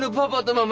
ママ！